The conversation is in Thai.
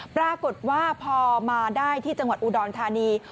ปรากฏว่าพอมาได้ที่จังหวัดอุดรธานี